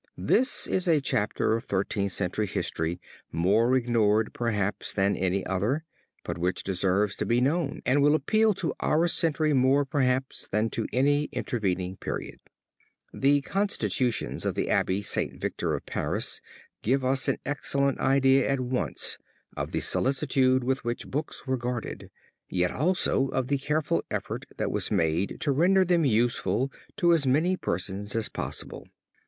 This is a chapter of Thirteenth Century history more ignored perhaps than any other, but which deserves to be known and will appeal to our century more perhaps than to any intervening period. The constitutions of the Abbey St. Victor of Paris give us an excellent idea at once of the solicitude with which the books were guarded, yet also of the careful effort that was made to render them useful to as many persons as possible.